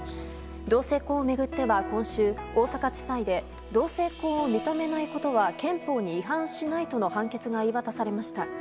同性婚を巡っては今週大阪地裁で同性婚を認めないことは憲法に違反しないとの判決が言い渡されました。